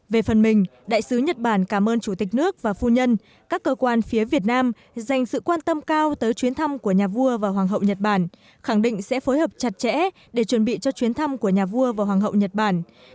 về phần mình đại sứ nhật bản cảm ơn chủ tịch nước và phu nhân các cơ quan phía việt nam dành sự quan tâm cao tới chuyến thăm của nhà vua và hoàng hậu nhật bản khẳng định sẽ phối hợp chặt chẽ để chuẩn bị cho chuyến thăm của nhà vua và hoàng hậu nhật bản